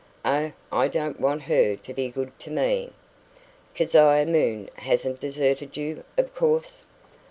"Oh, I don't want her to be good to me." "Keziah Moon hasn't deserted you, of course?"